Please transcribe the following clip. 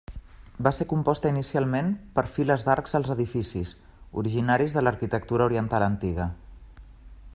Va ser composta inicialment per files d'arcs als edificis, originaris de l'arquitectura oriental antiga.